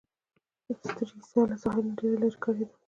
سټریسا له ساحل نه ډېره لیري ښکاریدل.